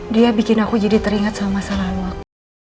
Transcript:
dia bikin aku jadi teringat sama masa lalu aku